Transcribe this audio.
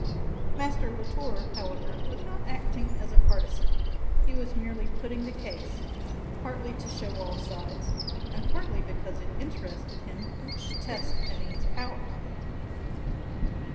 Master Latour, however, was not acting as a partisan; he was merely putting the case, partly to show all sides and partly because it interested him to test Aline's powers.